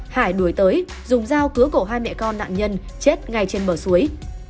hải đuổi tới dùng dao cứa cổ hai mẹ con nạn nhân chết ngay trên bờ suối